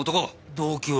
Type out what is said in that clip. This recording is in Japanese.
動機は？